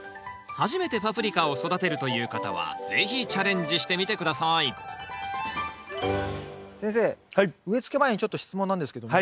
初めてパプリカを育てるという方は是非チャレンジしてみて下さい先生植えつけ前にちょっと質問なんですけども。